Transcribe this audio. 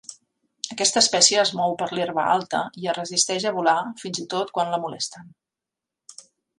Aquesta espècie es mou per l'herba alta, i es resisteix a volar fins i tot quan la molesten.